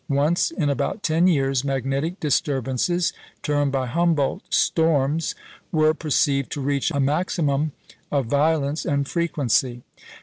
Once in about ten years, magnetic disturbances (termed by Humboldt "storms") were perceived to reach a maximum of violence and frequency.